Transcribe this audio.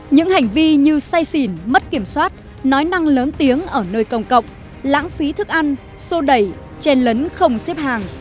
những hành vi như say xỉn mất kiểm soát nói năng lớn tiếng ở nơi công cộng lãng phí thức ăn xô đẩy chen lấn không xếp hàng